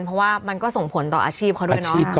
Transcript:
เพราะว่ามันก็ส่งผลต่ออาชีพเขาด้วยเนาะ